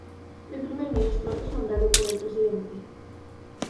El primer ministro es nombrado por el presidente.